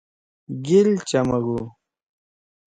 گیل چَمَگُو